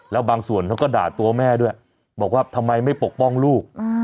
แล้วบางส่วนเขาก็ด่าตัวแม่ด้วยบอกว่าทำไมไม่ปกป้องลูก